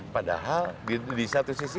padahal di satu sisi